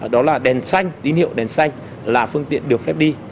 đó là đèn xanh tín hiệu đèn xanh là phương tiện được phép đi